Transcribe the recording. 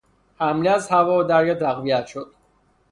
حمله از هوا و دریا تقویت شد.